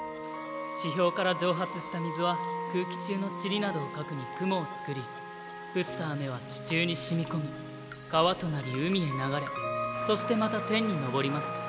地表から蒸発した水は空気中の塵などを核に雲を作り降った雨は地中に染み込み川となり海へ流れそしてまた天に上ります。